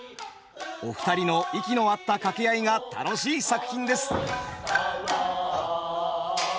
お二人の息の合った掛け合いが楽しい作品です。